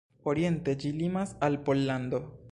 Oriente ĝi limas al Pollando.